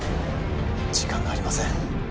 時間がありません